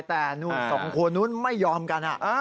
แต่สองคนนู้นไม่ยอมกัน